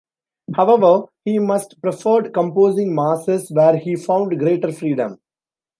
However, he much preferred composing Masses, where he found greater freedom.